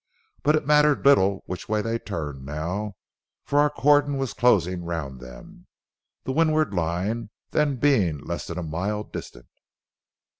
But it mattered little which way they turned now, for our cordon was closing round them, the windward line then being less than a mile distant.